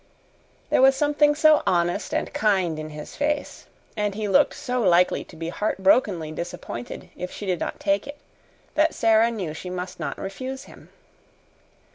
There was something so honest and kind in his face, and he looked so likely to be heartbrokenly disappointed if she did not take it, that Sara knew she must not refuse him.